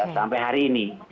sampai hari ini